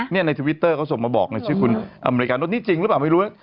ในทวิตเตอร์เขาส่งมาบอกในชื่อคุณอเมริการถนี้จริงหรือเปล่าไม่รู้